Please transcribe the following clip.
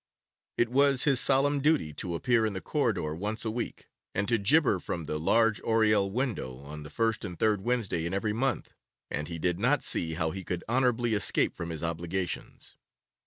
It was his solemn duty to appear in the corridor once a week, and to gibber from the large oriel window on the first and third Wednesday in every month, and he did not see how he could honourably escape from his obligations.